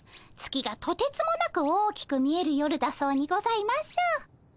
月がとてつもなく大きく見える夜だそうにございます。